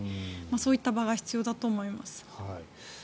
そういった場が必要だと思います。